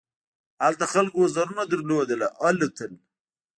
هلته خلکو وزرونه لرل او الوتل.